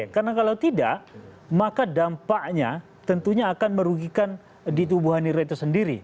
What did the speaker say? karena kalau tidak maka dampaknya tentunya akan merugikan di tubuh hanura itu sendiri